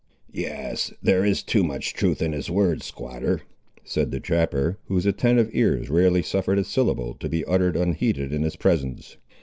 "Yes, there is too much truth in his words, squatter," said the trapper, whose attentive ears rarely suffered a syllable to be utterly unheeded in his presence.